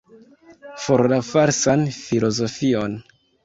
For la falsan filozofion!